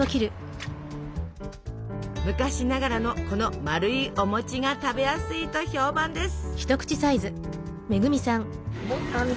昔ながらのこのまるいお餅が食べやすいと評判です。